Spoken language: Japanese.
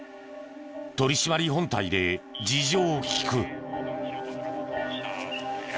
取り締まり本隊で事情を聴く。